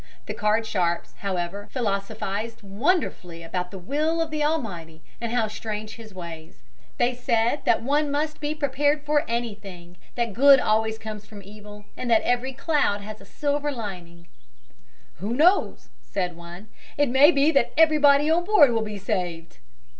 The card sharps, however philosophized wonderfully about the will of the Almighty and how strange His ways. They said that one must be prepared for anything; that good always came from evil, and that every cloud had a silvery lining{.} "Who knows?" said one. "It may be that everybody on board will be saved."